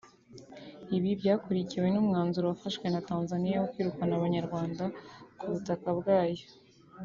Ibi byakurikiwe n’umwanzuro wafashwe na Tanzania wo kwirukana Abanyarwanda ku butaka bwayo